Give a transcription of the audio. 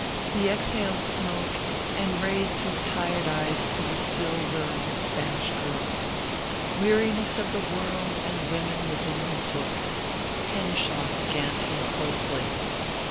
He exhaled smoke and raised his tired eyes to the still luring Spanish girl. Weariness of the world and women was in his look. Henshaw scanned him closely.